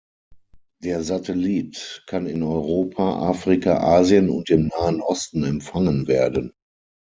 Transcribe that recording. Der Satellit kann in Europa, Afrika, Asien und dem Nahen Osten empfangen werden.